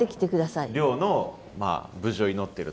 漁の無事を祈ってると。